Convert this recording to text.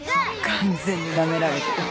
完全になめられてる。